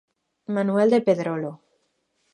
Manuel de Pedrolo